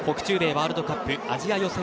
ワールドカップアジア予選